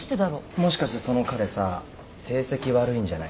もしかしてその彼さ成績悪いんじゃない？